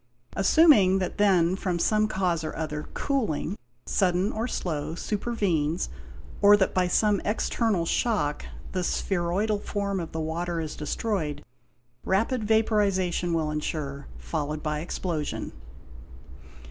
Assuming that then, from some cause or other, cooling—sudden or slow—supervenes, or that by some external shock the spheroidal form of the water is destroyed, rapid vaporization will ensure, followed by explosion.